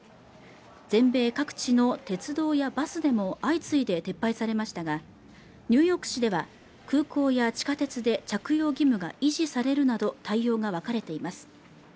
全米各地の鉄道やバスでも相次いで撤廃されましたがニューヨーク市では空港や地下鉄で着用義務が維持されるなど対応が分かれています